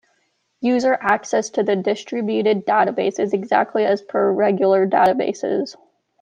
User access to the distributed database is exactly as per regular databases.